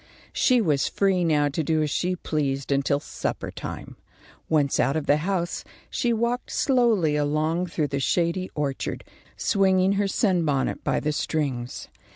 She was free now to do as she pleased until supper time. Once out of the house, she walked slowly along through the shady orchard, swinging her sunbonnet by the strings.